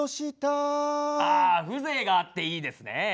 あ風情があっていいですね。